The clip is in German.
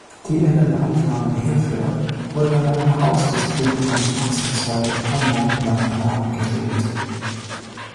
Die Innenaufnahmen hierfür wurden in einem Haus des Klinikums Ochsenzoll in Hamburg-Langenhorn gedreht.